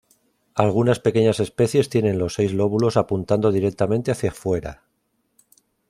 Algunas pequeñas especies tienen los seis lóbulos apuntando directamente hacia fuera.